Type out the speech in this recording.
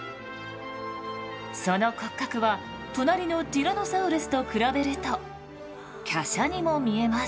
その骨格は隣のティラノサウルスと比べると華奢にも見えます。